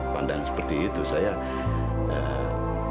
pandangan seperti itu sayang